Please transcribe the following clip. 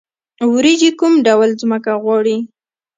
وریجې کوم ډول ځمکه غواړي؟